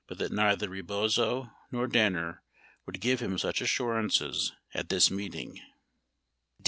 937 neither Rebozo nor Danner would give him such assurances at this meeting.